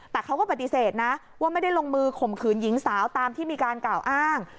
แต่เขาก็ปฏิเสธนะว่าไม่ได้ลงมือข่มขืนหญิงสาวตามที่มีการกล่าวอ้าง